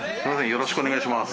よろしくお願いします。